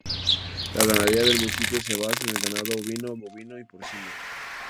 La ganadería del municipio se basa en el ganado ovino, bovino y porcino.